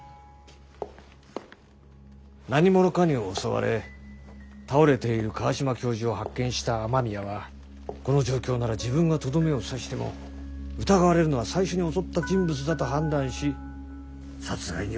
何者かに襲われ倒れている川島教授を発見した雨宮はこの状況なら自分がとどめを刺しても疑われるのは最初に襲った人物だと判断し殺害に及んだと。